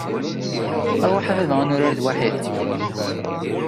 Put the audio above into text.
Ṛwaḥ a baba ad nurar lwaḥid!